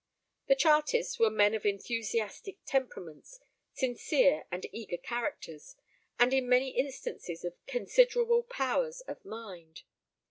The Chartists were men of enthusiastic temperaments, sincere and eager characters, and in many instances, of considerable powers of mind.